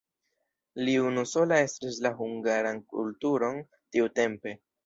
Li unusola estris la hungaran kulturon tiutempe.